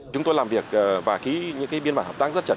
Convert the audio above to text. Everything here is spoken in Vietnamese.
chúng tôi làm việc và ký những biên bản hợp tác rất chắc